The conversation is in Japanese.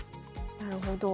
なるほど。